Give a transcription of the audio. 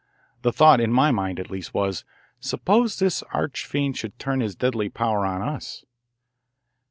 The thought, in my mind at least, was: Suppose this arch fiend should turn his deadly power on us?